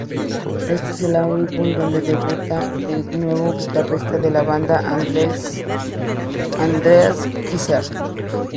Éste es el álbum donde debuta el nuevo guitarrista de la banda, Andreas Kisser.